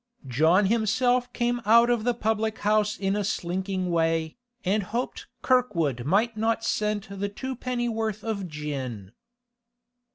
John himself came out of the public house in a slinking way, and hoped Kirkwood might not scent the twopenny worth of gin.